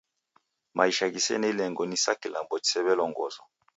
Maisha ghisene ilengo ni sa kilambo chisew'elongozwa.